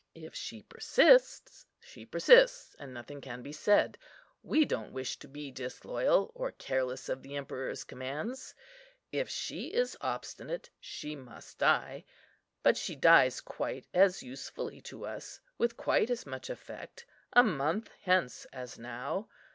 "If she persists, she persists, and nothing can be said; we don't wish to be disloyal, or careless of the emperor's commands. If she is obstinate, she must die; but she dies quite as usefully to us, with quite as much effect, a month hence as now.